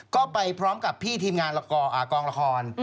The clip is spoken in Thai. ก็ไปพร้อมกับพี่ทีมงานกองละคร